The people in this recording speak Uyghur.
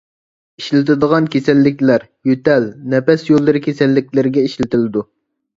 ئىشلىتىدىغان كېسەللىكلەر: يۆتەل، نەپەس يوللىرى كېسەللىكلىرىگە ئىشلىتىلىدۇ.